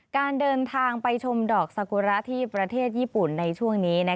การเดินทางไปชมดอกสกุระที่ประเทศญี่ปุ่นในช่วงนี้